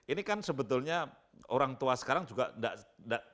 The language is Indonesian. ini kan sebetulnya orang tua sekarang juga enggak tertarik